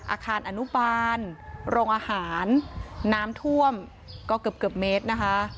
อาคารอนุบาลโรงอาหารน้ำท่วมก็เกือบเกือบเมตรนะคะ